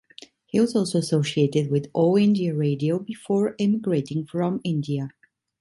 He was also associated with All India Radio before emigrating from India.